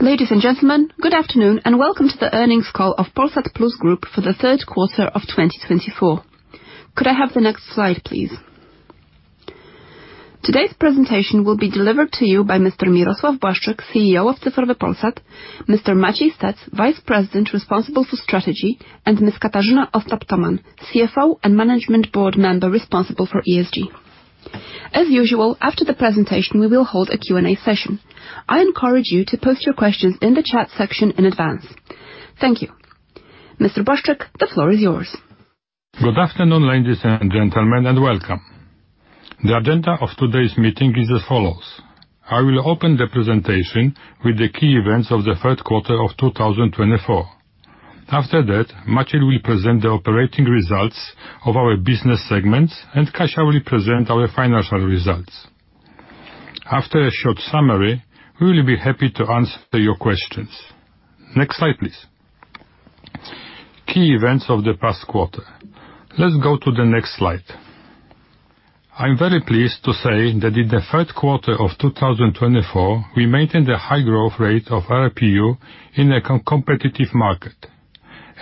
Ladies and gentlemen, good afternoon and welcome to the earnings call of Polsat Plus Group for the third quarter of 2024. Could I have the next slide, please? Today's presentation will be delivered to you by Mr. Mirosław Błaszczyk, CEO of Cyfrowy Polsat, Mr. Maciej Stec, Vice President responsible for Strategy, and Ms. Katarzyna Ostap-Tomann, CFO and Management Board member responsible for ESG. As usual, after the presentation, we will hold a Q&A session. I encourage you to post your questions in the chat section in advance. Thank you. Mr. Błaszczyk, the floor is yours. Good afternoon, ladies and gentlemen, and welcome. The agenda of today's meeting is as follows: I will open the presentation with the key events of the third quarter of 2024. After that, Maciej will present the operating results of our business segments, and Kasia will present our financial results. After a short summary, we will be happy to answer your questions. Next slide, please. Key events of the past quarter. Let's go to the next slide. I'm very pleased to say that in the third quarter of 2024, we maintained a high growth rate of ARPU in a competitive market.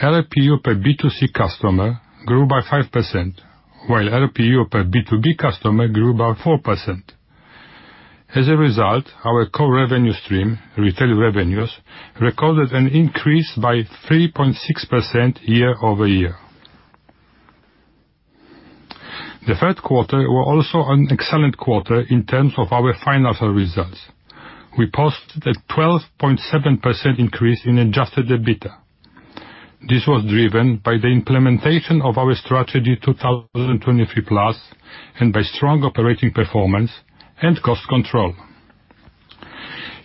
ARPU per B2C customer grew by 5%, while ARPU per B2B customer grew by 4%. As a result, our core revenue stream, retail revenues, recorded an increase by 3.6% year-over-year. The third quarter was also an excellent quarter in terms of our financial results. We posted a 12.7% increase in adjusted EBITDA. This was driven by the implementation of our Strategy 2023+ and by strong operating performance and cost control.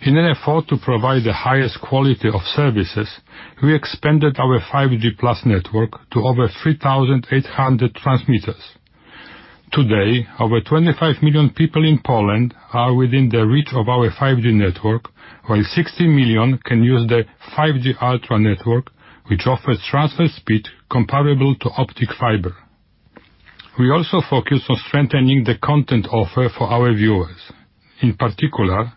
In an effort to provide the highest quality of services, we expanded our 5G+ network to over 3,800 transmitters. Today, over 25 million people in Poland are within the reach of our 5G network, while 60 million can use the 5G Ultra network, which offers transfer speed comparable to fiber optic. We also focused on strengthening the content offer for our viewers. In particular,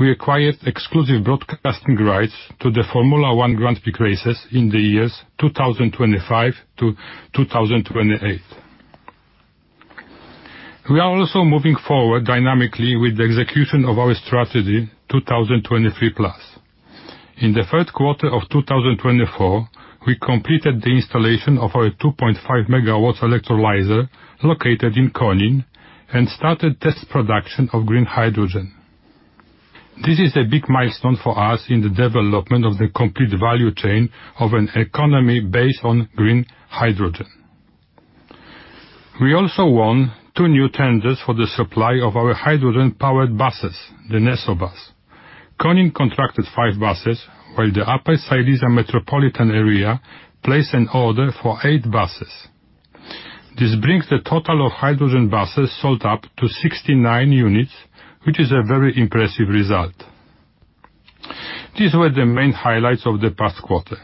we acquired exclusive broadcasting rights to the Formula 1 Grand Prix races in the years 2025 to 2028. We are also moving forward dynamically with the execution of our Strategy 2023+. In the third quarter of 2024, we completed the installation of our 2.5 MW electrolyzer located in Konin and started test production of green hydrogen. This is a big milestone for us in the development of the complete value chain of an economy based on green hydrogen. We also won two new tenders for the supply of our hydrogen-powered buses, the NesoBus. Konin contracted five buses, while the Upper Silesia Metropolitan Area placed an order for eight buses. This brings the total of hydrogen buses sold up to 69 units, which is a very impressive result. These were the main highlights of the past quarter.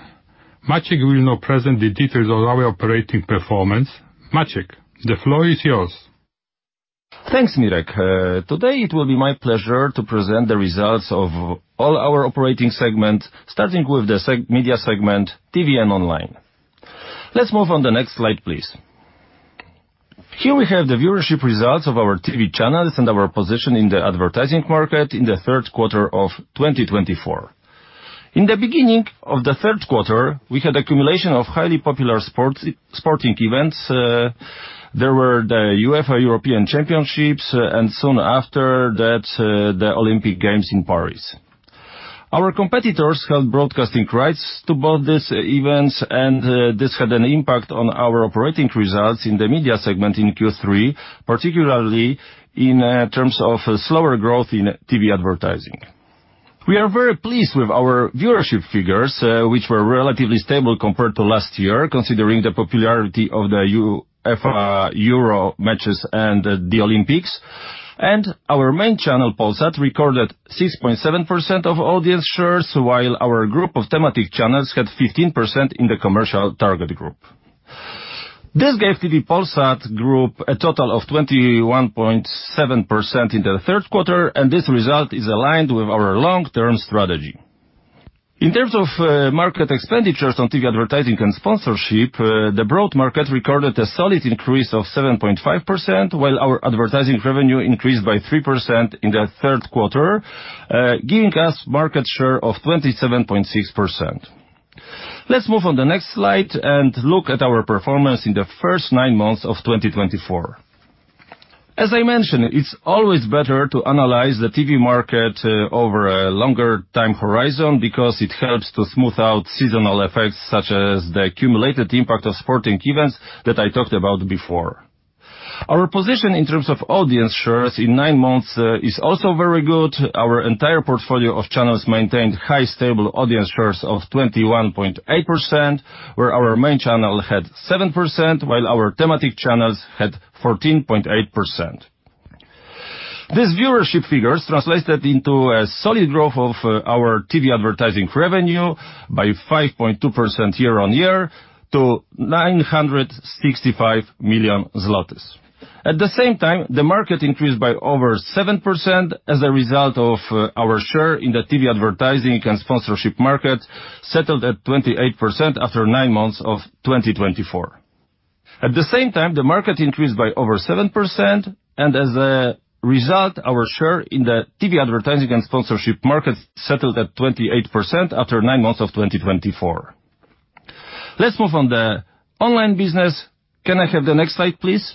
Maciej will now present the details of our operating performance. Maciej, the floor is yours. Thanks, Mirek. Today, it will be my pleasure to present the results of all our operating segments, starting with the Media segment, TV and online. Let's move on the next slide, please. Here we have the viewership results of our TV channels and our position in the advertising market in the third quarter of 2024. In the beginning of the third quarter, we had accumulation of highly popular sporting events. There were the UEFA European Championships, and soon after that, the Olympic Games in Paris. Our competitors held broadcasting rights to both these events, and this had an impact on our operating results in the Media segment in Q3, particularly in terms of slower growth in TV advertising. We are very pleased with our viewership figures, which were relatively stable compared to last year, considering the popularity of the UEFA Euro matches and the Olympics. Our main channel, Polsat, recorded 6.7% of audience shares, while our group of thematic channels had 15% in the commercial target group. This gave TV Polsat Group a total of 21.7% in the third quarter, and this result is aligned with our long-term strategy. In terms of market expenditures on TV advertising and sponsorship, the broad market recorded a solid increase of 7.5%, while our advertising revenue increased by 3% in the third quarter, giving us a market share of 27.6%. Let's move on the next slide and look at our performance in the first nine months of 2024. As I mentioned, it's always better to analyze the TV market over a longer time horizon because it helps to smooth out seasonal effects such as the accumulated impact of sporting events that I talked about before. Our position in terms of audience shares in nine months is also very good. Our entire portfolio of channels maintained high stable audience shares of 21.8%, where our main channel had 7%, while our thematic channels had 14.8%. These viewership figures translated into a solid growth of our TV advertising revenue by 5.2% year-on-year to 965 million zlotys. At the same time, the market increased by over 7%, and as a result, our share in the TV advertising and sponsorship markets settled at 28% after nine months of 2024. Let's move on to the online business. Can I have the next slide, please?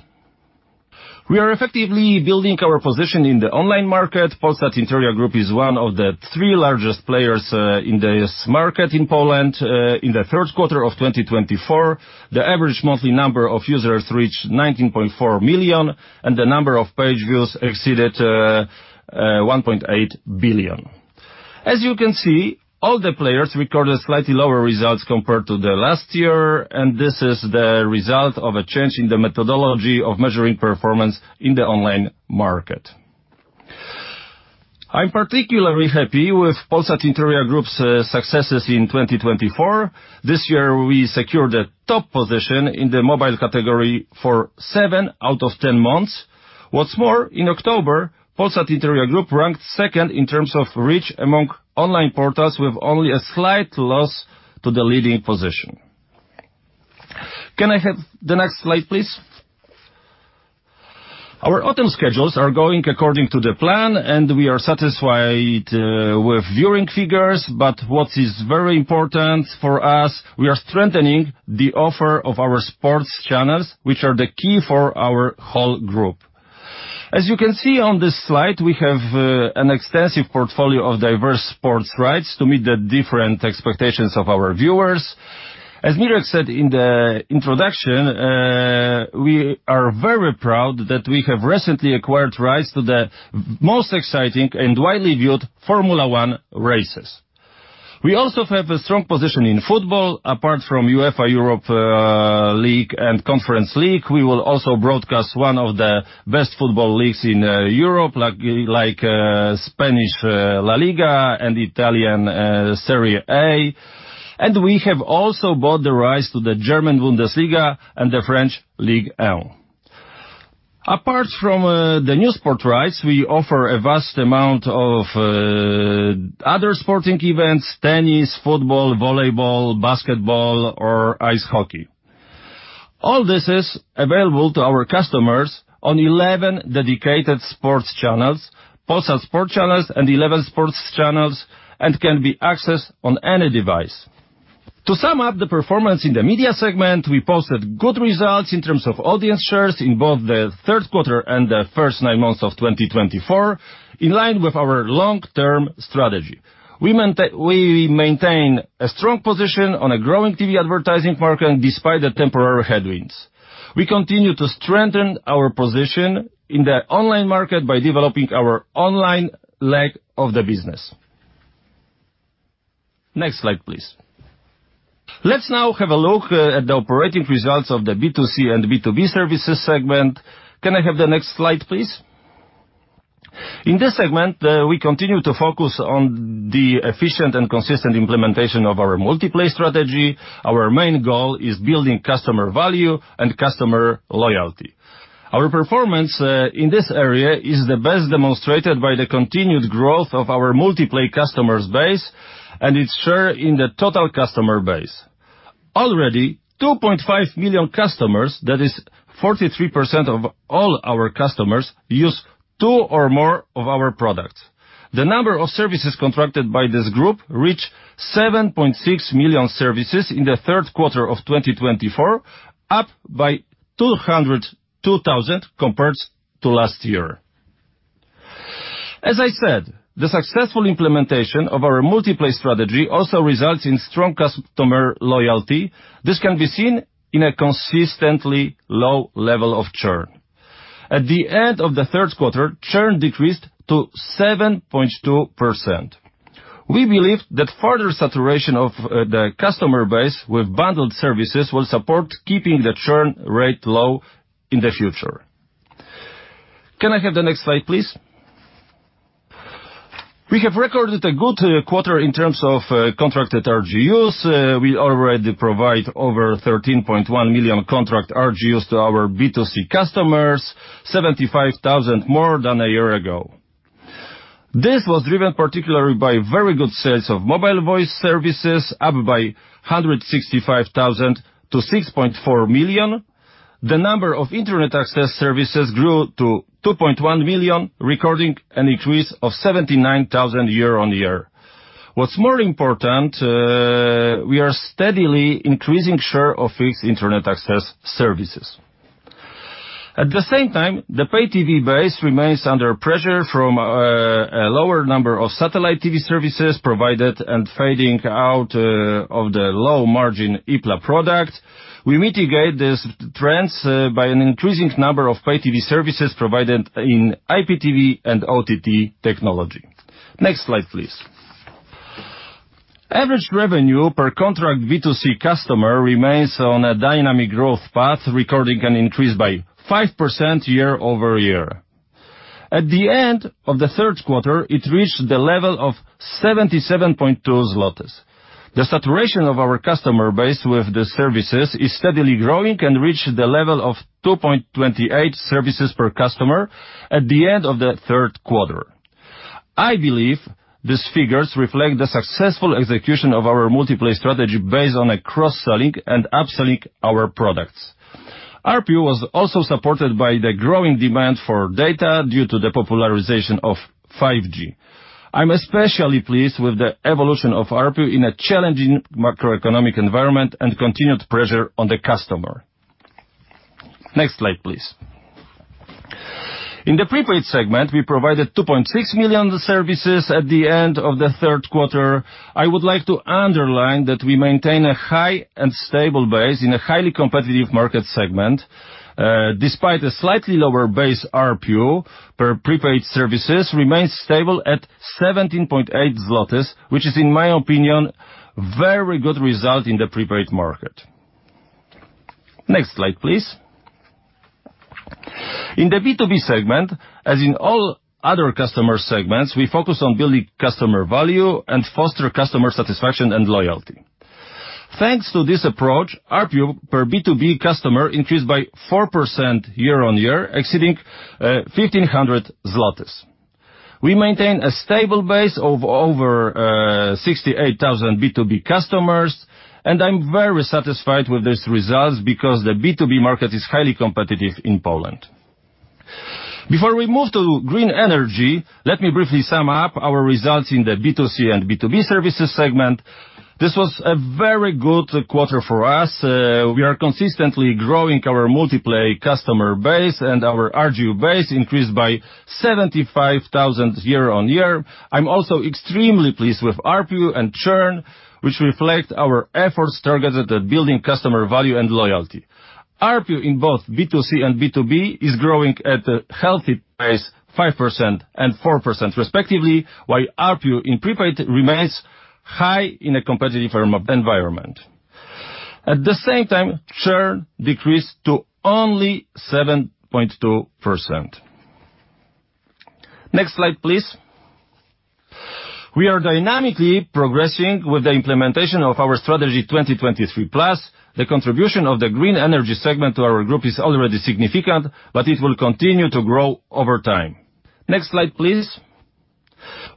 We are effectively building our position in the online market. Polsat-Interia Group is one of the three largest players in this market in Poland. In the third quarter of 2024, the average monthly number of users reached 19.4 million, and the number of page views exceeded 1.8 billion. As you can see, all the players recorded slightly lower results compared to last year, and this is the result of a change in the methodology of measuring performance in the online market. I'm particularly happy with Polsat-Interia Group's successes in 2024. This year, we secured a top position in the mobile category for seven out of 10 months. What's more, in October, Polsat-Interia Group ranked second in terms of reach among online portals, with only a slight loss to the leading position. Can I have the next slide, please? Our autumn schedules are going according to the plan, and we are satisfied with viewing figures, but what is very important for us, we are strengthening the offer of our sports channels, which are the key for our whole group. As you can see on this slide, we have an extensive portfolio of diverse sports rights to meet the different expectations of our viewers. As Mirek said in the introduction, we are very proud that we have recently acquired rights to the most exciting and widely viewed Formula 1 races. We also have a strong position in football. Apart from UEFA Europa League and Conference League, we will also broadcast one of the best football leagues in Europe, like Spanish La Liga and Italian Serie A, and we have also bought the rights to the German Bundesliga and the French Ligue 1. Apart from the new sports rights, we offer a vast amount of other sporting events: tennis, football, volleyball, basketball, or ice hockey. All this is available to our customers on 11 dedicated sports channels, Polsat Sport channels and Eleven Sports channels, and can be accessed on any device. To sum up the performance in the Media segment, we posted good results in terms of audience shares in both the third quarter and the first nine months of 2024, in line with our long-term strategy. We maintain a strong position on a growing TV advertising market despite the temporary headwinds. We continue to strengthen our position in the online market by developing our online leg of the business. Next slide, please. Let's now have a look at the operating results of the B2C and B2B services segment. Can I have the next slide, please? In this segment, we continue to focus on the efficient and consistent implementation of our multi-play strategy. Our main goal is building customer value and customer loyalty. Our performance in this area is the best demonstrated by the continued growth of our multi-play customers' base and its share in the total customer base. Already, 2.5 million customers, that is 43% of all our customers, use two or more of our products. The number of services contracted by this group reached 7.6 million services in the third quarter of 2024, up by 202,000 compared to last year. As I said, the successful implementation of our multi-play strategy also results in strong customer loyalty. This can be seen in a consistently low level of churn. At the end of the third quarter, churn decreased to 7.2%. We believe that further saturation of the customer base with bundled services will support keeping the churn rate low in the future. Can I have the next slide, please? We have recorded a good quarter in terms of contracted RGUs. We already provide over 13.1 million contracted RGUs to our B2C customers, 75,000 more than a year ago. This was driven particularly by very good sales of mobile voice services, up by 165,000 to 6.4 million. The number of internet access services grew to 2.1 million, recording an increase of 79,000 year-on-year. What's more important, we are steadily increasing the share of fixed internet access services. At the same time, the pay TV base remains under pressure from a lower number of satellite TV services provided and fading out of the low-margin IPLA product. We mitigate these trends by an increasing number of pay TV services provided in IPTV and OTT technology. Next slide, please. Average revenue per contract B2C customer remains on a dynamic growth path, recording an increase by 5% year-over-year. At the end of the third quarter, it reached the level of 77.2. The saturation of our customer base with the services is steadily growing and reached the level of 2.28 services per customer at the end of the third quarter. I believe these figures reflect the successful execution of our multi-play strategy based on cross-selling and upselling our products. ARPU was also supported by the growing demand for data due to the popularization of 5G. I'm especially pleased with the evolution of ARPU in a challenging macroeconomic environment and continued pressure on the customer. Next slide, please. In the prepaid segment, we provided 2.6 million services at the end of the third quarter. I would like to underline that we maintain a high and stable base in a highly competitive market segment. Despite a slightly lower base, ARPU per prepaid services remains stable at 17.8 zlotys, which is, in my opinion, a very good result in the prepaid market. Next slide, please. In the B2B segment, as in all other customer segments, we focus on building customer value and fostering customer satisfaction and loyalty. Thanks to this approach, ARPU per B2B customer increased by 4% year-on-year, exceeding 1,500 zlotys. We maintain a stable base of over 68,000 B2B customers, and I'm very satisfied with these results because the B2B market is highly competitive in Poland. Before we move to green energy, let me briefly sum up our results in the B2C and B2B services segment. This was a very good quarter for us. We are consistently growing our multi-play customer base and our RGU base increased by 75,000 year-on-year. I'm also extremely pleased with ARPU and churn, which reflect our efforts targeted at building customer value and loyalty. ARPU in both B2C and B2B is growing at a healthy pace, 5% and 4% respectively, while ARPU in prepaid remains high in a competitive environment. At the same time, churn decreased to only 7.2%. Next slide, please. We are dynamically progressing with the implementation of our Strategy 2023+. The contribution of the Green Energy Segment to our group is already significant, but it will continue to grow over time. Next slide, please.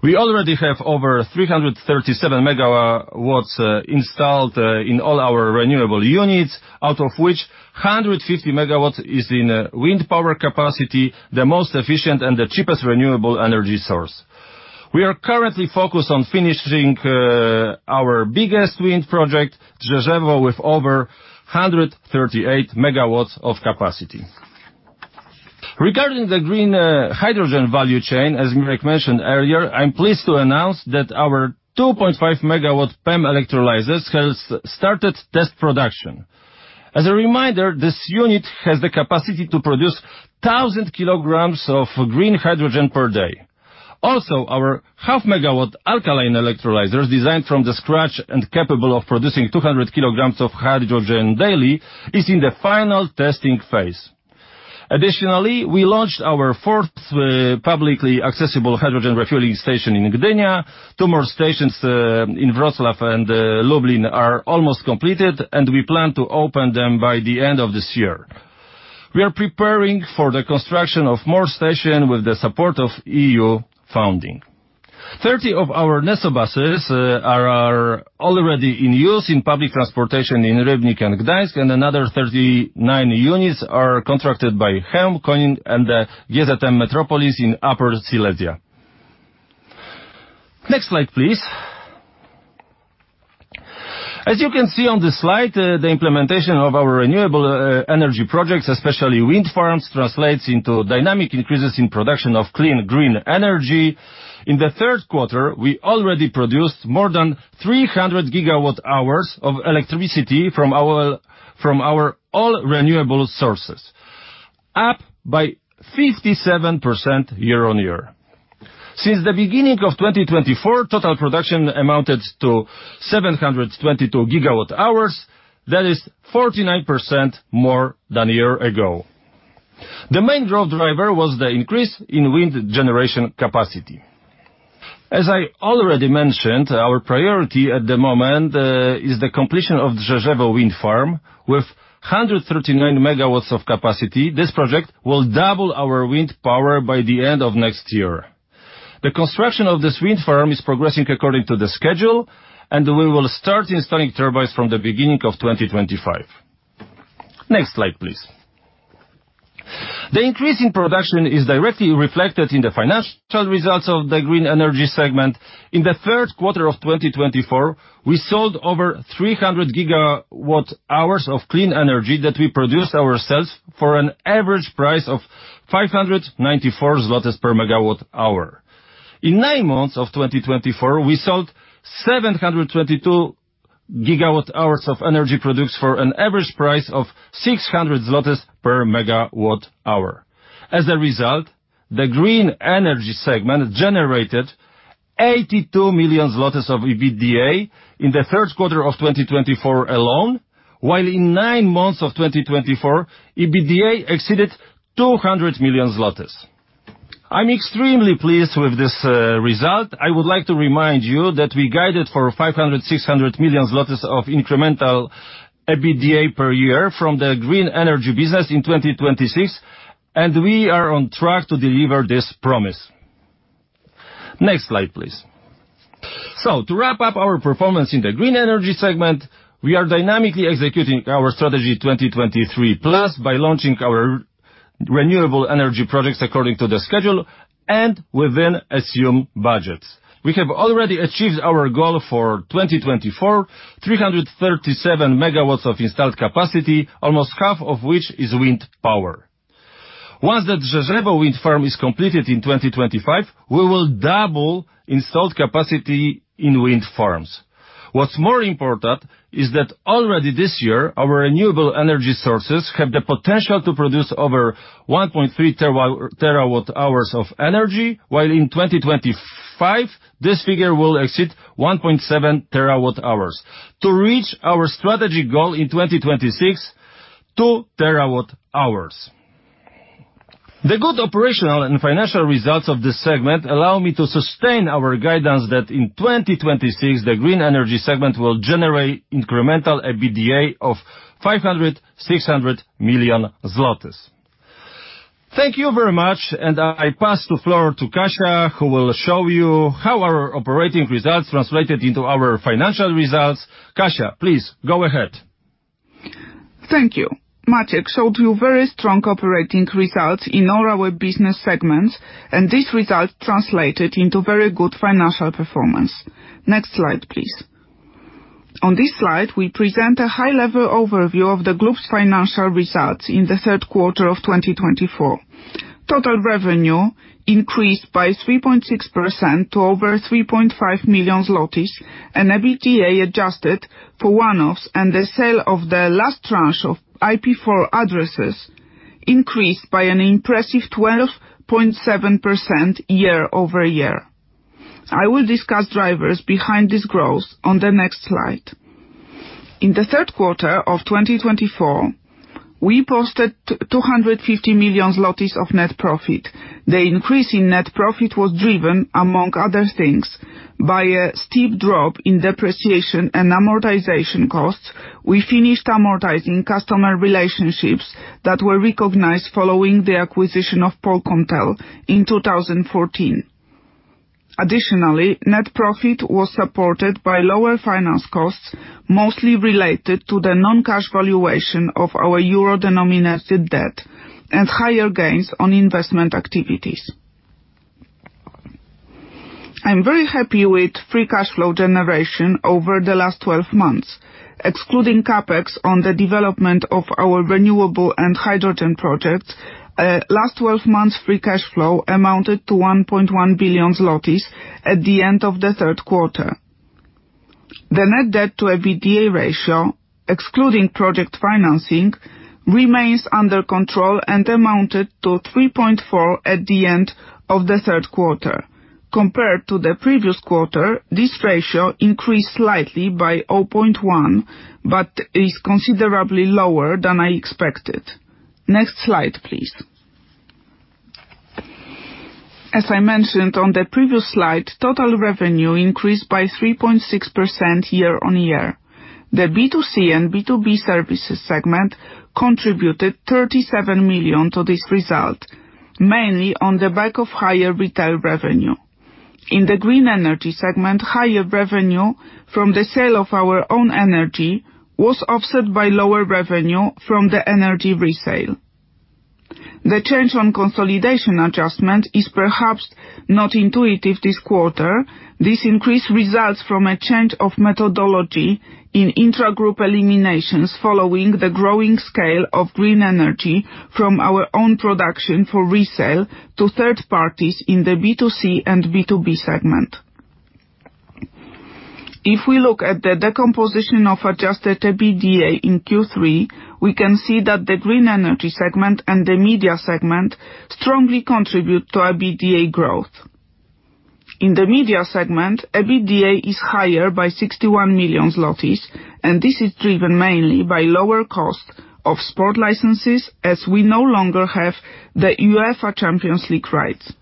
We already have over 337 MW installed in all our renewable units, out of which 150 MW is in wind power capacity, the most efficient and the cheapest renewable energy source. We are currently focused on finishing our biggest wind project, Drzeżewo, with over 138 MW of capacity. Regarding the green hydrogen value chain, as Mirek mentioned earlier, I'm pleased to announce that our 2.5-MW PEM electrolyzers have started test production. As a reminder, this unit has the capacity to produce 1,000 kg of green hydrogen per day. Also, our 0.5 MW alkaline electrolyzers, designed from scratch and capable of producing 200 kg of hydrogen daily, are in the final testing phase. Additionally, we launched our fourth publicly accessible hydrogen refueling station in Gdynia. Two more stations in Wrocław and Lublin are almost completed, and we plan to open them by the end of this year. We are preparing for the construction of more stations with the support of EU funding. Thirty of our NesoBuses are already in use in public transportation in Rybnik and Gdańsk, and another 39 units are contracted by Konin and the GZM Metropolis in Upper Silesia. Next slide, please. As you can see on the slide, the implementation of our renewable energy projects, especially wind farms, translates into dynamic increases in production of clean green energy. In the third quarter, we already produced more than 300 GWh of electricity from our all renewable sources, up by 57% year-on-year. Since the beginning of 2024, total production amounted to 722 GWh, that is 49% more than a year ago. The main growth driver was the increase in wind generation capacity. As I already mentioned, our priority at the moment is the completion of the Drzeżewo wind farm with 139 MW of capacity. This project will double our wind power by the end of next year. The construction of this wind farm is progressing according to the schedule, and we will start installing turbines from the beginning of 2025. Next slide, please. The increase in production is directly reflected in the financial results of the Green Energy Segment. In the third quarter of 2024, we sold over 300 GWh of clean energy that we produced ourselves for an average price of 594 per MWh. In nine months of 2024, we sold 722 GWh of energy products for an average price of 600 zlotys per MWh. As a result, the Green Energy Segment generated 82 million zlotys of EBITDA in the third quarter of 2024 alone, while in nine months of 2024, EBITDA exceeded 200 million zlotys. I'm extremely pleased with this result. I would like to remind you that we guided for 500 million-600 million zlotys of incremental EBITDA per year from the green energy business in 2026, and we are on track to deliver this promise. Next slide, please. So, to wrap up our performance in the Green Energy Segment, we are dynamically executing our Strategy 2023+ by launching our renewable energy projects according to the schedule and within assumed budgets. We have already achieved our goal for 2024: 337 MW of installed capacity, almost half of which is wind power. Once the Drzeżewo wind farm is completed in 2025, we will double installed capacity in wind farms. What's more important is that already this year, our renewable energy sources have the potential to produce over 1.3 TWh of energy, while in 2025, this figure will exceed 1.7 TWh to reach our strategic goal in 2026: 2 TWh. The good operational and financial results of this segment allow me to sustain our guidance that in 2026, the Green Energy Segment will generate incremental EBITDA of 500 million-600 million zlotys. Thank you very much, and I pass the floor to Kasia, who will show you how our operating results translated into our financial results. Kasia, please go ahead. Thank you. Maciek showed you very strong operating results in all our business segments, and these results translated into very good financial performance. Next slide, please. On this slide, we present a high-level overview of the group's financial results in the third quarter of 2024. Total revenue increased by 3.6% to over 3.5 million zlotys, and EBITDA adjusted for one-offs and the sale of the last tranche of IPv4 addresses increased by an impressive 12.7% year-over-year. I will discuss drivers behind this growth on the next slide. In the third quarter of 2024, we posted 250 million zlotys of net profit. The increase in net profit was driven, among other things, by a steep drop in depreciation and amortization costs. We finished amortizing customer relationships that were recognized following the acquisition of Polkomtel in 2014. Additionally, net profit was supported by lower finance costs, mostly related to the non-cash valuation of our euro-denominated debt and higher gains on investment activities. I'm very happy with free cash flow generation over the last 12 months. Excluding CapEx on the development of our renewable and hydrogen projects, last 12 months' free cash flow amounted to 1.1 billion zlotys at the end of the third quarter. The net debt-to-EBITDA ratio, excluding project financing, remains under control and amounted to 3.4 at the end of the third quarter. Compared to the previous quarter, this ratio increased slightly by 0.1, but is considerably lower than I expected. Next slide, please. As I mentioned on the previous slide, total revenue increased by 3.6% year-on-year. The B2C and B2B services segment contributed 37 million to this result, mainly on the back of higher retail revenue. In the Green Energy Segment, higher revenue from the sale of our own energy was offset by lower revenue from the energy resale. The change on consolidation adjustment is perhaps not intuitive this quarter. This increase results from a change of methodology in intra-group eliminations following the growing scale of green energy from our own production for resale to third parties in the B2C and B2B segment. If we look at the decomposition of adjusted EBITDA in Q3, we can see that the Green Energy Segment and the Media segment strongly contribute to EBITDA growth. In the Media segment, EBITDA is higher by 61 million zlotys, and this is driven mainly by lower costs of sport licenses, as we no longer have the UEFA Champions League rights.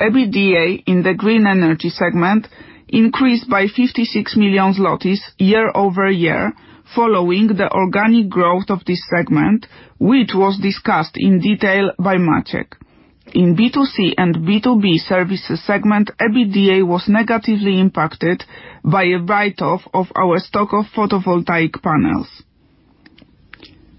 EBITDA in the Green Energy Segment increased by 56 million zlotys year-over-year, following the organic growth of this segment, which was discussed in detail by Maciek. In B2C and B2B services segment, EBITDA was negatively impacted by a write-off of our stock of photovoltaic panels.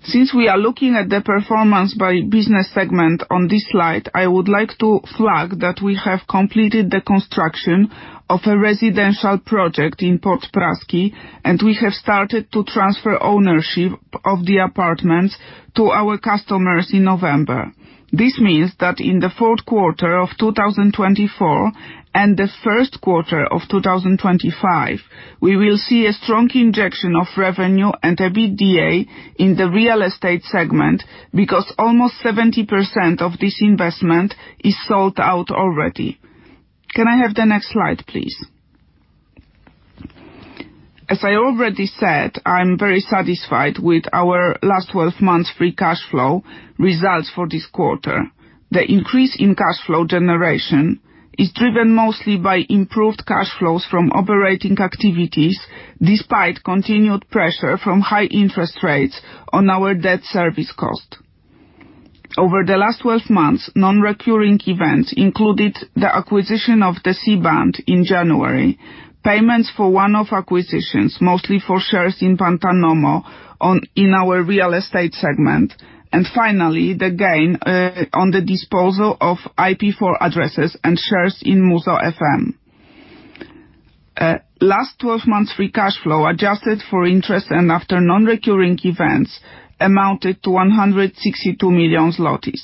Since we are looking at the performance by business segment on this slide, I would like to flag that we have completed the construction of a residential project in Port Praski, and we have started to transfer ownership of the apartments to our customers in November. This means that in the fourth quarter of 2024 and the first quarter of 2025, we will see a strong injection of revenue and EBITDA in the real estate segment because almost 70% of this investment is sold out already. Can I have the next slide, please? As I already said, I'm very satisfied with our last 12 months' free cash flow results for this quarter. The increase in cash flow generation is driven mostly by improved cash flows from operating activities despite continued pressure from high interest rates on our debt service cost. Over the last 12 months, non-recurring events included the acquisition of the C-band in January, payments for one-off acquisitions, mostly for shares in Pantanomo in our real estate segment, and finally, the gain on the disposal of IPv4 addresses and shares in Muzo.fm. Last 12 months' free cash flow adjusted for interest and after non-recurring events amounted to 162 million zlotys.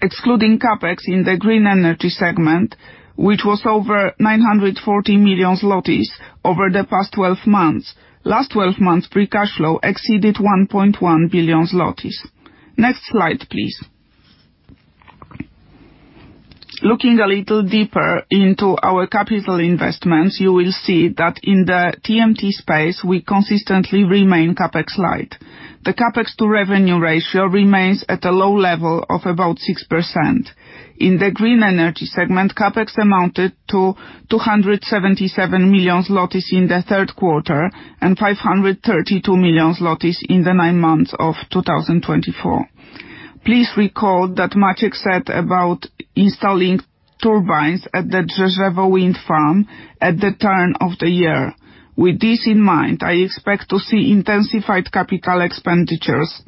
Excluding CapEx in the Green Energy Segment, which was over 940 million zlotys over the past 12 months, last 12 months' free cash flow exceeded 1.1 billion zlotys. Next slide, please. Looking a little deeper into our capital investments, you will see that in the TMT space, we consistently remain CapEx-light. The CapEx-to-revenue ratio remains at a low level of about 6%. In the Green Energy Segment, CapEx amounted to 277 million zlotys in the third quarter and 532 million zlotys in the nine months of 2024. Please recall that Maciek said about installing turbines at the Drzeżewo wind farm at the turn of the year. With this in mind, I expect to see intensified capital expenditures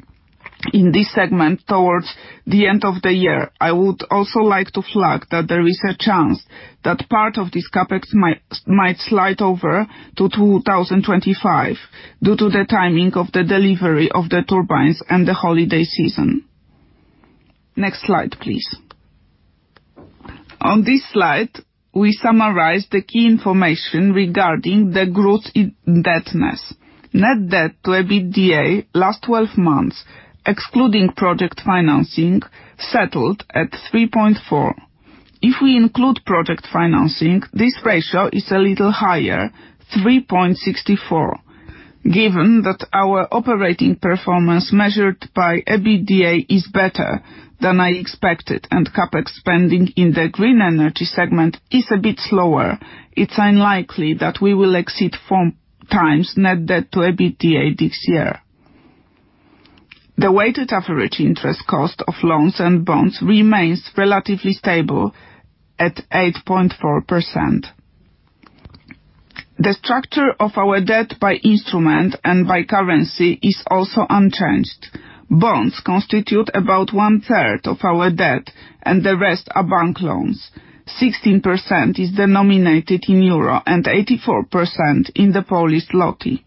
in this segment towards the end of the year. I would also like to flag that there is a chance that part of this CapEx might slide over to 2025 due to the timing of the delivery of the turbines and the holiday season. Next slide, please. On this slide, we summarize the key information regarding the growth in indebtedness. Net debt-to-EBITDA last 12 months, excluding project financing, settled at 3.4. If we include project financing, this ratio is a little higher, 3.64, given that our operating performance measured by EBITDA is better than I expected, and CapEx spending in the Green Energy Segment is a bit slower. It's unlikely that we will exceed four times net debt-to-EBITDA this year. The weighted average interest cost of loans and bonds remains relatively stable at 8.4%. The structure of our debt by instrument and by currency is also unchanged. Bonds constitute about one-third of our debt, and the rest are bank loans. 16% is denominated in euro and 84% in the Polish zloty.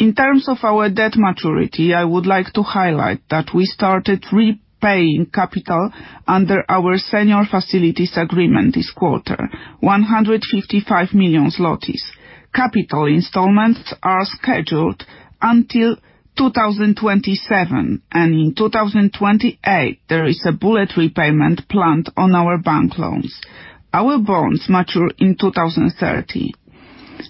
In terms of our debt maturity, I would like to highlight that we started repaying capital under our senior facilities agreement this quarter, 155 million zlotys. Capital installments are scheduled until 2027, and in 2028, there is a bullet repayment planned on our bank loans. Our bonds mature in 2030.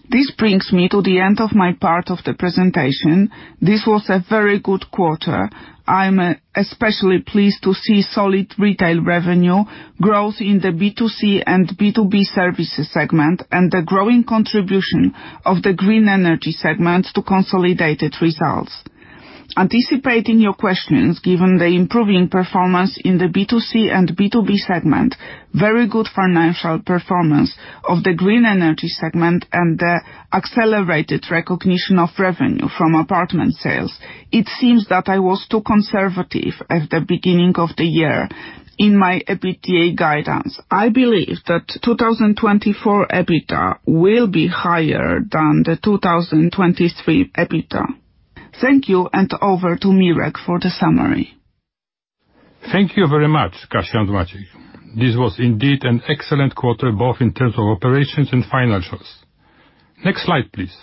This brings me to the end of my part of the presentation. This was a very good quarter. I'm especially pleased to see solid retail revenue growth in the B2C and B2B services segment and the growing contribution of the Green Energy Segment to consolidated results. Anticipating your questions, given the improving performance in the B2C and B2B segment, very good financial performance of the Green Energy Segment, and the accelerated recognition of revenue from apartment sales, it seems that I was too conservative at the beginning of the year in my EBITDA guidance. I believe that 2024 EBITDA will be higher than the 2023 EBITDA. Thank you, and over to Mirek for the summary. Thank you very much, Kasia and Maciek. This was indeed an excellent quarter, both in terms of operations and financials. Next slide, please.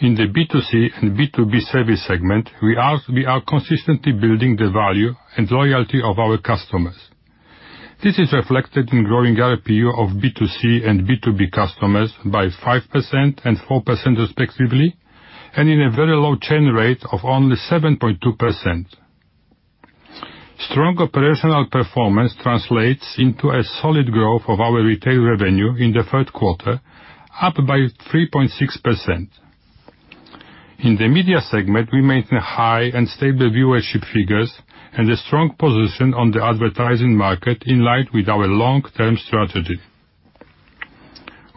In the B2C and B2B service segment, we are consistently building the value and loyalty of our customers. This is reflected in growing ARPU of B2C and B2B customers by 5% and 4%, respectively, and in a very low churn rate of only 7.2%. Strong operational performance translates into a solid growth of our retail revenue in the third quarter, up by 3.6%. In the Media segment, we maintain high and stable viewership figures and a strong position on the advertising market in line with our long-term strategy.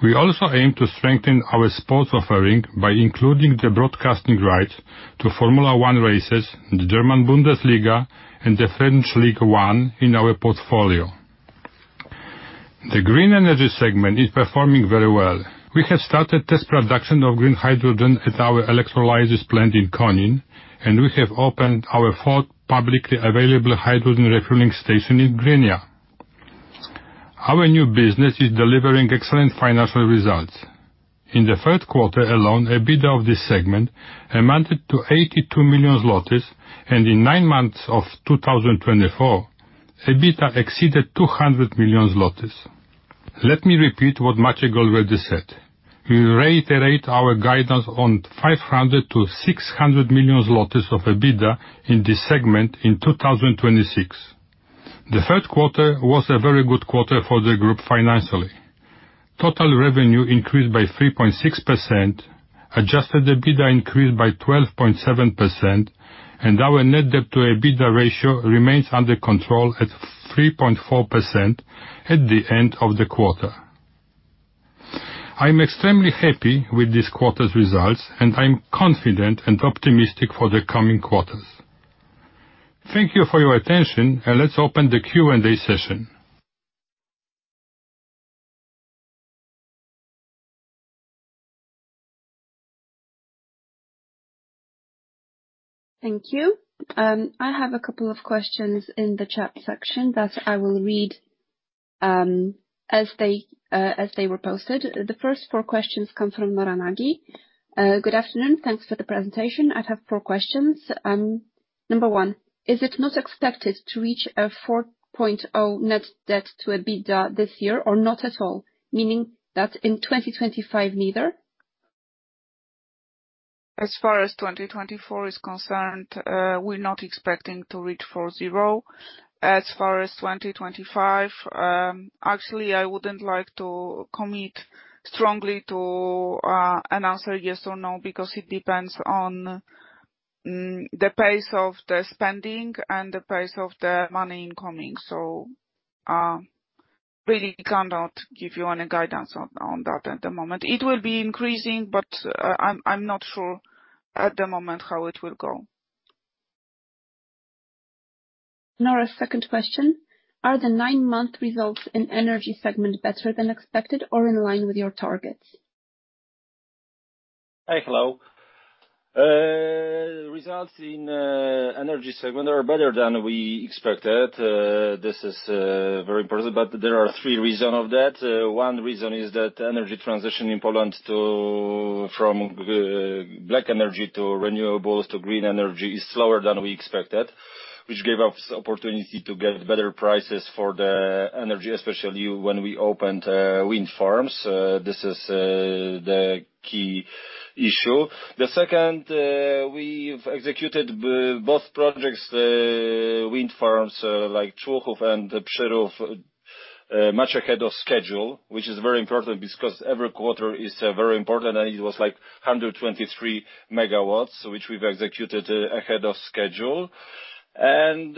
We also aim to strengthen our sports offering by including the broadcasting rights to Formula 1 races, the German Bundesliga, and the French Ligue 1 in our portfolio. The Green Energy Segment is performing very well. We have started test production of green hydrogen at our electrolysis plant in Konin, and we have opened our fourth publicly available hydrogen refueling station in Gdynia. Our new business is delivering excellent financial results. In the third quarter alone, EBITDA of this segment amounted to 82 million zlotys, and in nine months of 2024, EBITDA exceeded 200 million zlotys. Let me repeat what Maciek already said. We reiterate our guidance on 500 million-600 million zlotys of EBITDA in this segment in 2026. The third quarter was a very good quarter for the group financially. Total revenue increased by 3.6%, adjusted EBITDA increased by 12.7%, and our net debt-to-EBITDA ratio remains under control at 3.4% at the end of the quarter. I'm extremely happy with this quarter's results, and I'm confident and optimistic for the coming quarters. Thank you for your attention, and let's open the Q&A session. Thank you. I have a couple of questions in the chat section that I will read as they were posted. The first four questions come from Nora Nagy. Good afternoon. Thanks for the presentation. I have four questions. Number one, is it not expected to reach a 4.0 net debt-to-EBITDA this year or not at all, meaning that in 2025 neither? As far as 2024 is concerned, we're not expecting to reach 4.0. As far as 2025, actually, I wouldn't like to commit strongly to an answer yes or no because it depends on the pace of the spending and the pace of the money incoming. So I really cannot give you any guidance on that at the moment. It will be increasing, but I'm not sure at the moment how it will go. Nora's second question. Are the nine-month results in energy segment better than expected or in line with your targets? Hi, hello. Results in Energy segment are better than we expected. This is very important, but there are three reasons for that. One reason is that energy transition in Poland from black energy to renewables to green energy is slower than we expected, which gave us the opportunity to get better prices for the energy, especially when we opened wind farms. This is the key issue. The second, we've executed both projects, wind farms like Człuchów and Przyrów much ahead of schedule, which is very important because every quarter is very important, and it was like 123 MW, which we've executed ahead of schedule. And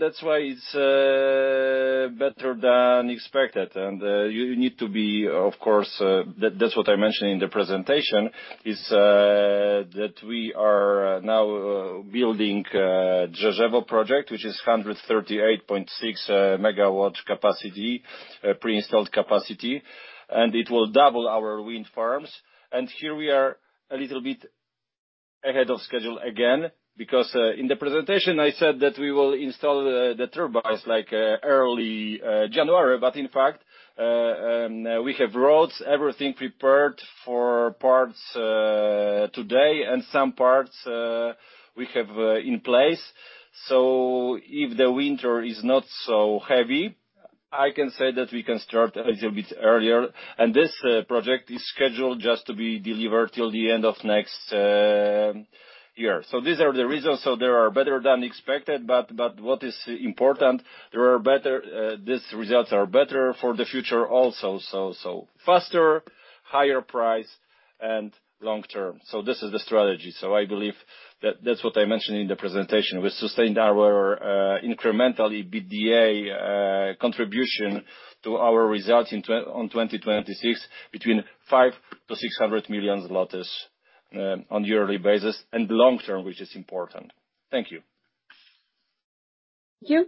that's why it's better than expected. And you need to be, of course, that's what I mentioned in the presentation, is that we are now building the Drzeżewo project, which is 138.6 MW capacity, pre-installed capacity, and it will double our wind farms. Here we are a little bit ahead of schedule again because in the presentation, I said that we will install the turbines like early January, but in fact, we have roads, everything prepared for parts today, and some parts we have in place, so if the winter is not so heavy, I can say that we can start a little bit earlier, and this project is scheduled just to be delivered till the end of next year, so these are the reasons, so they are better than expected, but what is important, these results are better for the future also, so faster, higher price, and long-term, so this is the strategy, so I believe that that's what I mentioned in the presentation. We sustained our incremental EBITDA contribution to our results in 2026 between 500 million to 600 million zlotys on a yearly basis and long-term, which is important. Thank you. Thank you.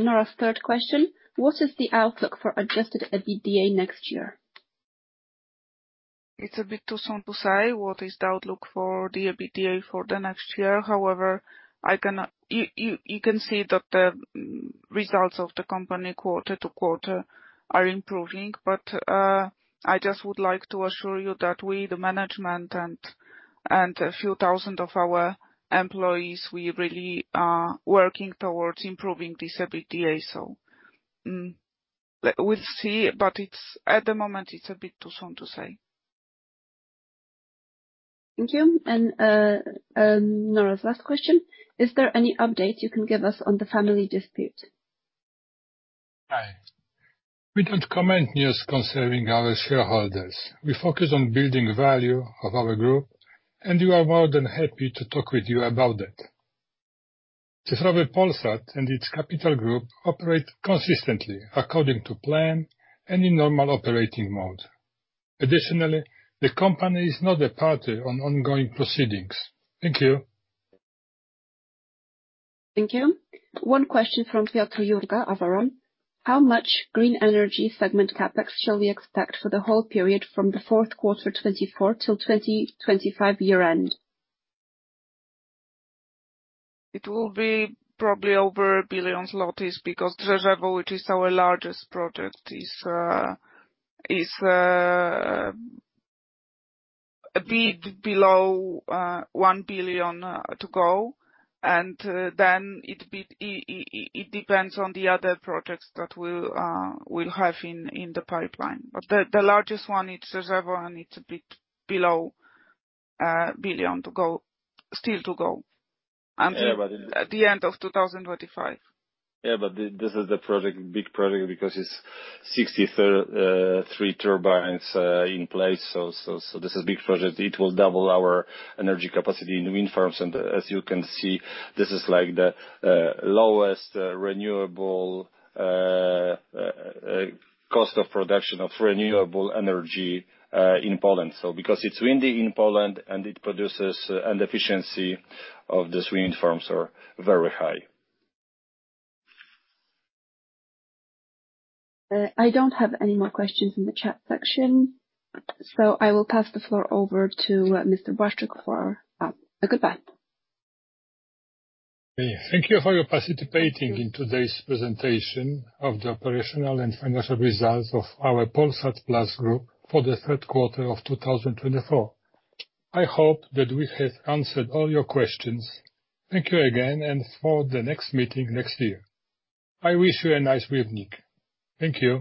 Nora's third question. What is the outlook for adjusted EBITDA next year? It's a bit too soon to say what is the outlook for the EBITDA for the next year. However, you can see that the results of the company quarter to quarter are improving, but I just would like to assure you that we, the management, and a few thousand of our employees, we're really working towards improving this EBITDA. So we'll see, but at the moment, it's a bit too soon to say. Thank you. And Nora's last question. Is there any update you can give us on the family dispute? Hi. We don't comment news concerning our shareholders. We focus on building value of our group, and we are more than happy to talk with you about it. Cyfrowy Polsat and its capital group operate consistently according to plan and in normal operating mode. Additionally, the company is not a party to ongoing proceedings. Thank you. Thank you. One question from Piotr Jurga. How much Green Energy Segment CapEx shall we expect for the whole period from the fourth quarter 2024 till 2025 year-end? It will probably be over 1 billion zlotys because Drzeżewo, which is our largest project, is a bit below 1 billion to go. And then it depends on the other projects that we'll have in the pipeline. But the largest one, it's Drzeżewo, and it's a bit below a billion to go, still to go. Yeah, but in the end of 2025. Yeah, but this is a big project because it's 63 turbines in place. So this is a big project. It will double our energy capacity in wind farms. And as you can see, this is like the lowest renewable cost of production of renewable energy in Poland. So because it's windy in Poland and the efficiency of these wind farms is very high. I don't have any more questions in the chat section, so I will pass the floor over to Mr. Błaszczyk for a goodbye. Thank you for participating in today's presentation of the operational and financial results of our Polsat Plus Group for the third quarter of 2024. I hope that we have answered all your questions. Thank you again, and for the next meeting next year. I wish you a nice weekend. Thank you.